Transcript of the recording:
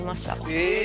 え！